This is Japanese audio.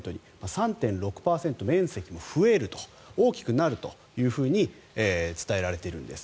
３．６％面積も増えると大きくなるというふうに伝えられているんです。